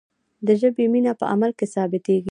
د ژبې مینه په عمل کې ثابتیږي.